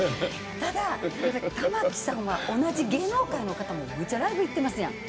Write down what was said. ただ玉置さんは同じ芸能界の方もめっちゃライブ行ってますやん。